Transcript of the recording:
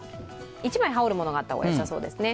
１枚、羽織るものがあった方がよさそうですね。